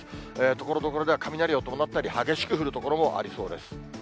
ところどころでは雷を伴ったり、激しく降る所もありそうです。